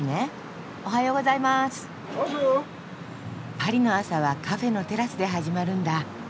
パリの朝はカフェのテラスで始まるんだ。